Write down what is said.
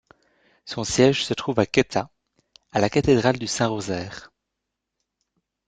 Son siège se trouve à Quetta, à la cathédrale du Saint-Rosaire.